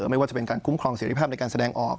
ไม่ว่าจะเป็นการคุ้มครองเสร็จภาพในการแสดงออก